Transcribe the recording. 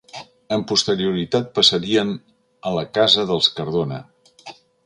Amb posterioritat passarien a la casa dels Cardona.